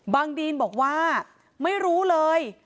ดีนบอกว่าไม่รู้เลย